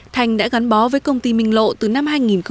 thanh đã gắn bó với công ty minh lộ từ năm hai nghìn tám